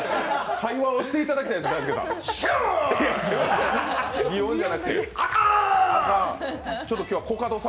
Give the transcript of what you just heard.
会話をしていただきたいんです、大輔さん。